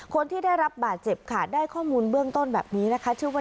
คนที่ได้รับบาดเจ็บค่ะได้ข้อมูลเบื้องต้นแบบนี้นะคะชื่อว่า